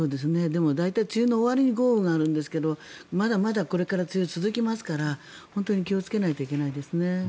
でも、大体梅雨の終わりに豪雨があるんですがまだまだこれから梅雨は続きますから本当に気をつけないといけないですね。